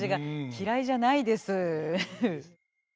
嫌いじゃないです。